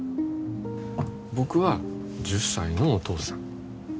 僕は１０歳のお父さん。